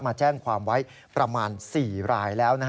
มาแจ้งความไว้ประมาณ๔รายแล้ว